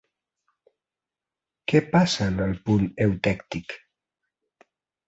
Què passa en el punt eutèctic?